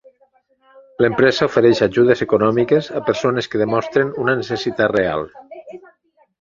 L'empresa ofereix ajudes econòmiques a persones que demostren una necessitat real.